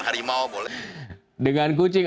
harimau boleh dengan kucing